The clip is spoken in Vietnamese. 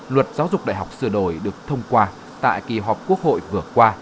luật giáo dục đại học sửa đổi được thông qua tại kỳ họp quốc hội vừa qua